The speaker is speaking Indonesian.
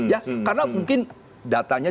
ya karena mungkin datanya